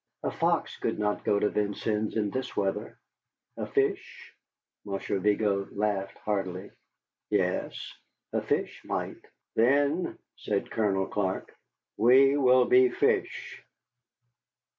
A fox could not go to Vincennes in this weather. A fish? Monsieur Vigo laughed heartily. Yes, a fish might. "Then," said Colonel Clark, "we will be fish."